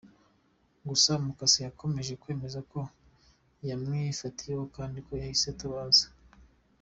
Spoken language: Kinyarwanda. Gusa mukase yakomeje kwemeza ko yamwifatiye kandi ko yahise atabaza.